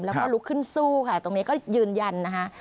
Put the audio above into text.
แล้วก็ลุกขึ้นสู้ค่ะตรงนี้ก็ยืนยันนะคะ